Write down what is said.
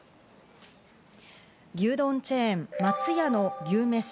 牛丼チェーン松屋の牛めし